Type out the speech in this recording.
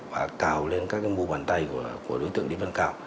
và cào lên các mũ bàn tay của đối tượng lý văn cao